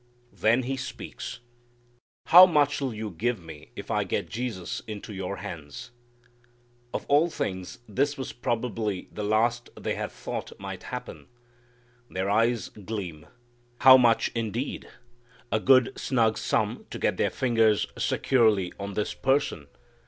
Then he speaks: "How much'll you give if I get Jesus into your hands?" Of all things this was probably the last they had thought might happen. Their eyes gleam. How much indeed a good snug sum to get their fingers securely on his person.